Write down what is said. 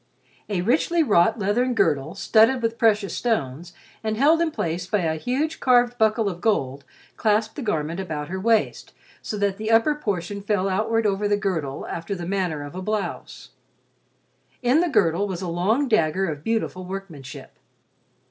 A richly wrought leathern girdle, studded with precious stones, and held in place by a huge carved buckle of gold, clasped the garment about her waist so that the upper portion fell outward over the girdle after the manner of a blouse. In the girdle was a long dagger of beautiful workmanship.